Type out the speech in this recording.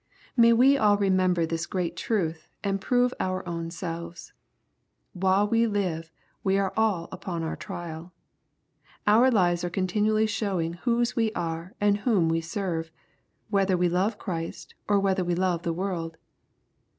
May we all remember this great truth and prove our own selves I While we live we are all upon our trial. Our lives are continually showing whose we are and whom we serve, whether we love Christ or whether we love the world.